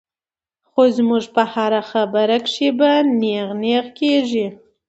خو زمونږ پۀ هره خبره کښې به نېغ نېغ کيږي -